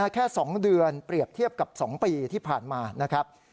แค่๒เดือนเปรียบเทียบกับ๒ปีที่ผ่านมานะครับ